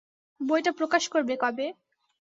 বইটা প্রকাশ করবে কবে?